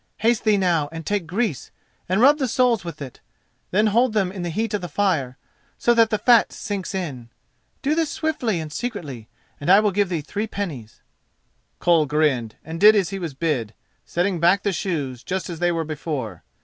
Haste thee now and take grease, and rub the soles with it, then hold them in the heat of the fire, so that the fat sinks in. Do this swiftly and secretly, and I will give thee three pennies." Koll grinned, and did as he was bid, setting back the shoes just as they were before.